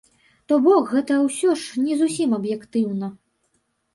То бок, гэта ўсё ж не зусім аб'ектыўна.